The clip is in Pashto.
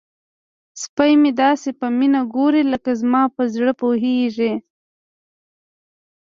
سپی مې داسې په مینه ګوري لکه زما په زړه پوهیږي.